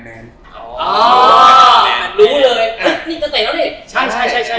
นี่เกะเตะแล้วนี่